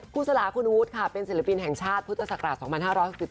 สลาคุณวุฒิค่ะเป็นศิลปินแห่งชาติพุทธศักราช๒๕๖๒